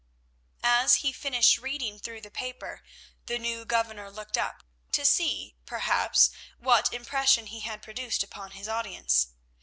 As he finished reading through the paper the new governor looked up, to see, perhaps, what impression he had produced upon his audience.